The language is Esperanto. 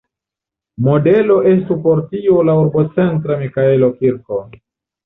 Modelo estu por tio la urbocentra Mikaelo-kirko.